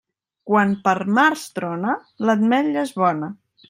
Quan per març trona, l'ametlla és bona.